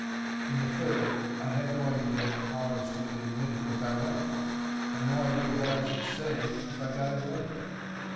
In the third, I had no idea how I was to get admitted if I went, and no idea what I should say if I got admitted.